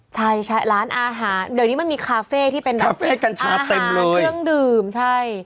ใช่ใช่ร้านอาหารเดี๋ยวนี้มันมีคาเฟ่ที่เป็นคาเฟ่กัญชาเต็มเลยเครื่องดื่มใช่